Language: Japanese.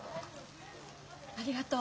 ありがとう。